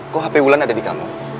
kok hp wulan ada di kanal